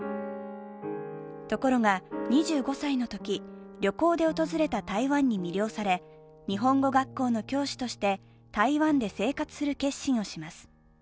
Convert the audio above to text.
ところが２５歳のとき、旅行で訪れた台湾に魅了され日本語学校の教師として台湾で生活する決心をします。